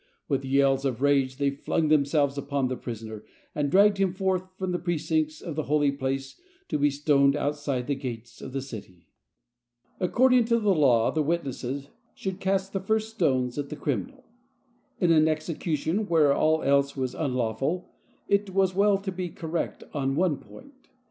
With yells of rage they flung themselves upon the pris oner, and dragged him forth from the precincts of tlie Holy Place to be stoned outside the gates of the city. According to the Law the witnesses should cast the first stones at the criminal. In an execution where all else was unlawful, it was well to be correct on one point.